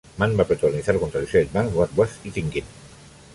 Mann va a protagonizar, junto a Elizabeth Banks, "What Was I Thinking?